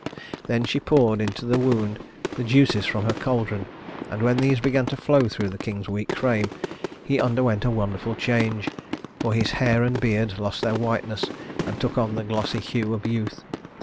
Then she poured into the wound the juices from her caldron; and when these began to flow through the king's weak frame, he underwent a wonderful change, for his hair and beard lost their whiteness and took on the glossy hue of youth.